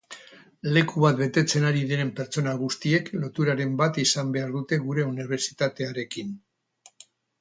Leku bat betetzen ari diren pertsona guztiek loturaren bat izan behar dute gure unibertsitatearekin.